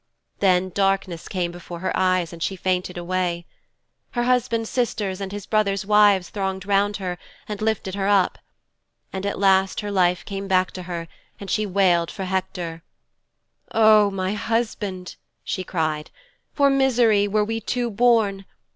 Then darkness came before her eyes and she fainted away. Her husband's sisters and his brothers' wives thronged round her and lifted her up. And at last her life came back to her and she wailed for Hector, "O my husband," she cried, "for misery were we two born!